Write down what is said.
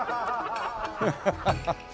ハハハハッ。